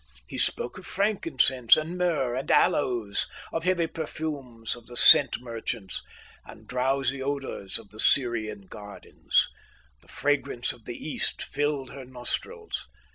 He spoke of frankincense and myrrh and aloes, of heavy perfumes of the scent merchants, and drowsy odours of the Syrian gardens. The fragrance of the East filled her nostrils.